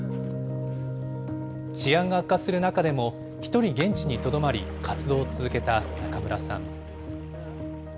治安が悪化する中でも、一人現地にとどまり、活動を続けた中村さん。